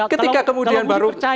ketika kemudian baru